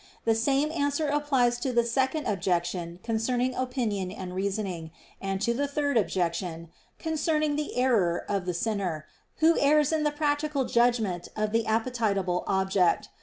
The same answer applies to the Second Objection concerning opinion and reasoning, and to the Third Objection, concerning the error of the sinner, who errs in the practical judgment of the appetible object.